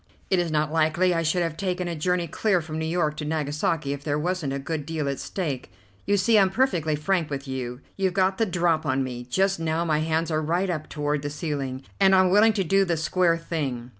It is not likely I should have taken a journey clear from New York to Nagasaki if there wasn't a good deal at stake. You see, I'm perfectly frank with you. You've got the drop on me. Just now my hands are right up toward the ceiling, and I'm willing to do the square thing.